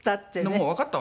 「もうわかったわよ」。